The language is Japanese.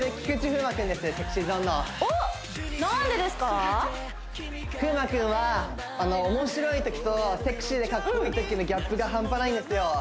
風磨君は面白いときとセクシーでカッコイイときのギャップが半端ないんですよ